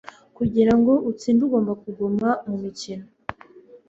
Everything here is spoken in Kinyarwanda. Kugira ngo utsinde ugomba kuguma mu mukino.